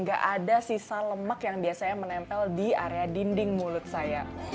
gak ada sisa lemak yang biasanya menempel di area dinding mulut saya